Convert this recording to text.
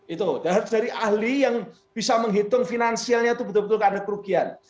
itu harus dari ahli yang bisa menghitung finansialnya itu betul betul karena kerugian